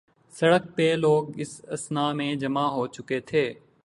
سڑک پہ لوگ اس اثناء میں جمع ہوچکے تھے۔